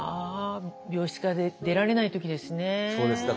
病室から出られない時ですね。